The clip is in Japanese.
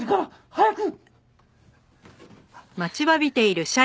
早く！